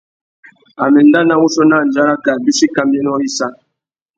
A mà enda nà wuchiô nà andjara kā bîchi kambiénô râ issa.